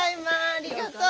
ありがとう。